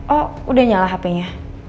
oh udah nyala hp nya